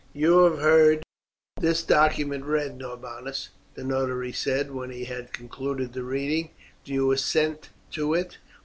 "You have heard this document read, Norbanus," the notary said, when he had concluded the reading. "Do you assent to it?